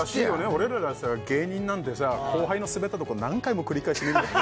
俺らがさ芸人なんてさ後輩のスベったとこ何回も繰り返し見るのにさ